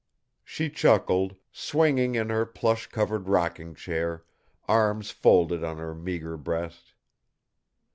She chuckled, swinging in her plush covered rocking chair, arms folded on her meagre breast.